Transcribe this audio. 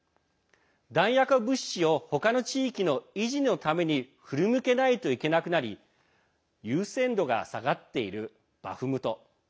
弾薬や物資を他の地域の維持のために振り向けないといけなくなり優先度が下がっているバフムト。